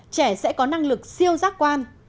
trẻ sẽ có năng lực siêu giác quan